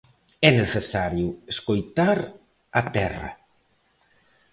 É necesario escoitar a terra.